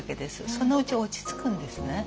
そのうち落ち着くんですね。